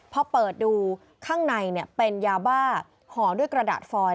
พอเปิดดูข้างในเป็นยาบ้าห่อด้วยกระดาษฟอย